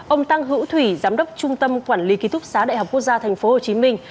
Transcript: ông tăng hữu thủy giám đốc trung tâm quản lý ký túc xá đại học quốc gia thành phố hồ chí minh